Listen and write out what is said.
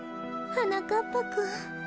はなかっぱくん。